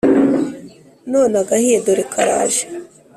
None agahiye dore karaje